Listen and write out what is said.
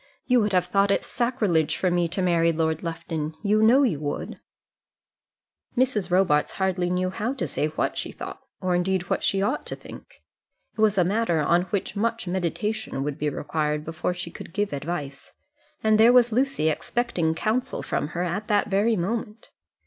You would have thought it sacrilege for me to marry Lord Lufton! You know you would." Mrs. Robarts hardly knew how to say what she thought, or indeed what she ought to think. It was a matter on which much meditation would be required before she could give advice, and there was Lucy expecting counsel from her at that very moment.